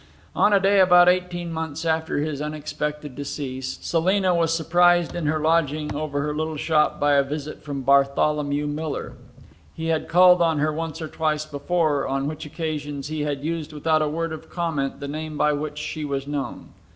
On a day about eighteen months after his unexpected decease, Selina was surprised in her lodging over her little shop by a visit from Bartholomew Miller. He had called on her once or twice before, on which occasions he had used without a word of comment the name by which she was known.